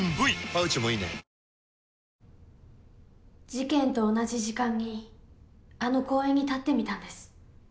事件と同じ時間にあの公園に立ってみたんです。